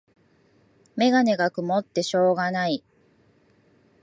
メガネがくもってしょうがない